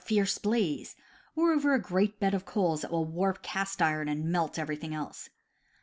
fierce blaze, or over a great bed of coals that will warp cast iron and melt every thing else.